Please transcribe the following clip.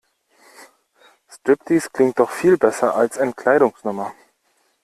Striptease klingt doch viel besser als Entkleidungsnummer.